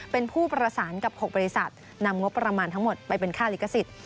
เป็นผู้ประสานกับ๖บริษัทนำงบประมาณทั้งหมดไปเป็นค่าลิขสิทธิ์